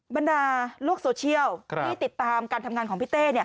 บรรดาโลกโซเชียลที่ติดตามการทำงานของพี่เต้